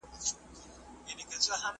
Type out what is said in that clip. که سل کاله ژوندی یې، آخر د ګور بنده یې .